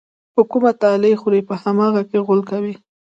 په کومه تالې خوري، په هماغه کې غول کوي.